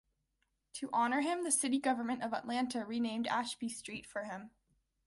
To honor him, the city government of Atlanta renamed Ashby Street for him.